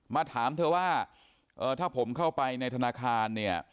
มาถามเธอว่าถ้าผมเข้าไปในธนาคารเนี่ย